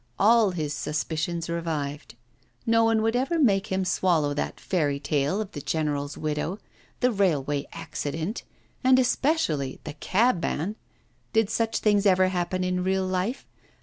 All his suspicions revived. No one would ever make him swallow that fairy tale of the general's widow, the railway accident, and especially the cabman. Did such things ever happen in real life?